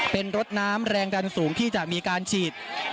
เป็นรถน้ำแรงดันสูงที่จะมีการฉีด